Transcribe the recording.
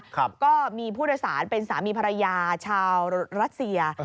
ก็มีผู้โดยสารเป็นสามีภรรยาชาวรัสเซีย